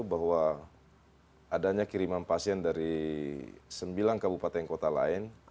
bahwa adanya kiriman pasien dari sembilan kabupaten kota lain